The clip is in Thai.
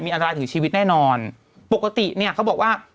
อันตรายถึงชีวิตแน่นอนปกติเนี่ยเขาบอกว่า